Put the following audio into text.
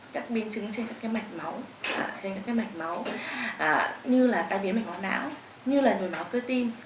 các biến chứng trên các mạch máu như là tai biến mạch máu não như là mềm máu cơ tim